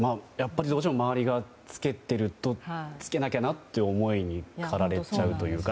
どうしても周りが着けてると着けなきゃなという思いに駆られちゃうというか。